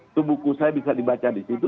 itu buku saya bisa dibaca di situ